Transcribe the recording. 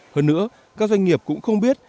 hơn nữa các doanh nghiệp cũng không biết